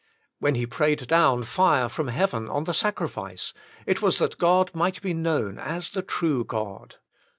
When he prayed down fire from heaven on the sacrifice, it was that God might be known as the true God.